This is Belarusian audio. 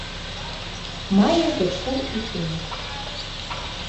Мае дачку і сына.